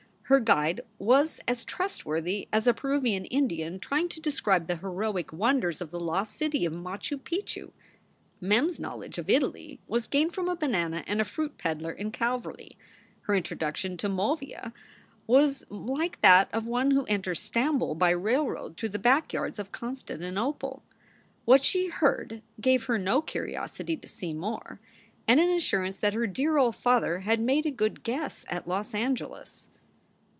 Her guide was as trustworthy as a Peruvian Indian trying to describe the heroic wonders of the lost city of Machu Picchu. Mem s knowledge of Italy was gained from a banana and fruit peddler in Calverly. Her introduction to Movia was like that of one who enters Stamboul by railroad through the back yards of Constanti nople. What she heard gave her no curiosity to see more, and an assurance that her dear old father had made a good guess at Los Angeles.